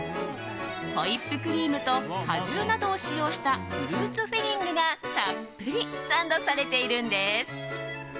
ホイップクリームと果汁などを使用したフルーツフィリングがたっぷりサンドされているんです。